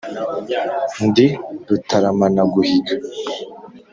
Ndi Rutaramanaguhiga.